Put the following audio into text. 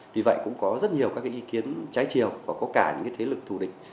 vì vậy cũng có rất nhiều các ý kiến trái chiều và có cả những thế lực thù địch